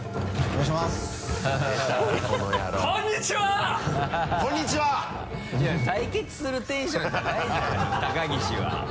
いや対決するテンションじゃないじゃないの高岸は。